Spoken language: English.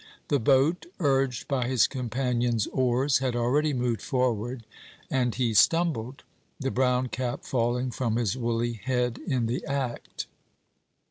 The boat, urged by his companions' oars, had already moved forward, and he stumbled, the brown cap falling from his woolly head in the act.